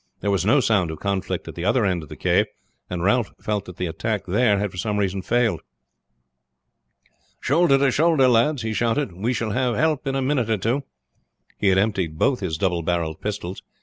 There was no sound of conflict at the other end of the cave, and Ralph felt that the attack there had for some reason failed. "Shoulder to shoulder, lads!" he shouted. "We shall have help in a minute or two." He had emptied both his double barrelled pistols.